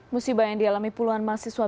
musibah yang dialami puluhan mahasiswa